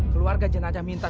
keluarga jenajah minta